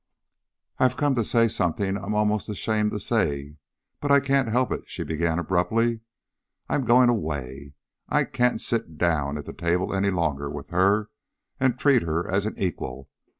"I've come to say something I'm almost ashamed to say, but I can't help it," she began abruptly. "I'm going away. I can't, I _can't _sit down at the table any longer with her, and treat her as an equal.